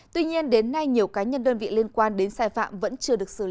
tuy nhiên đến nay nhiều cá nhân đơn vị liên quan đến sai phạm vẫn chưa được xử lý